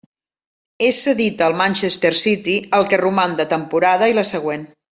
És cedit al Manchester City el que roman de temporada i la següent.